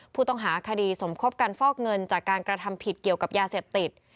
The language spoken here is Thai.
ผู้ต้องหาคดีสมคบกันฟอกเงินจากการกระทำผิดเกี่ยวกับยาเสพติด